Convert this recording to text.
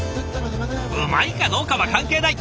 うまいかどうかは関係ない！